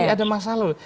ini ada masalah